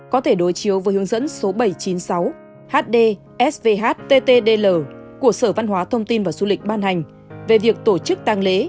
có thể đối chiếu với hướng dẫn số bảy trăm chín mươi sáu hd svhttdl của sở văn hóa thông tin và du lịch ban hành về việc tổ chức tăng lễ